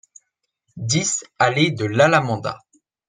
dix allée de l'Alamanda